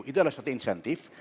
itu adalah suatu insentif